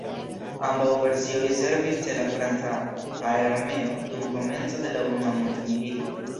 Ambaŭ versioj servis ĉe la franca aerarmeo dum komenco de la unua mondmilito.